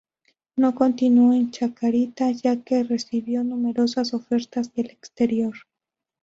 No continuó en Chacarita, ya que recibió numerosas ofertas del exterior.